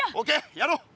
やろう！